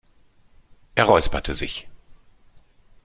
Er räusperte sich.